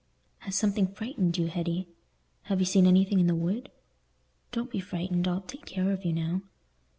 "Has something frightened you, Hetty? Have you seen anything in the wood? Don't be frightened—I'll take care of you now."